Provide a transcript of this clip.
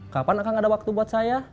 kapan akan ada waktu buat saya